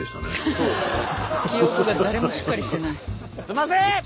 すんません！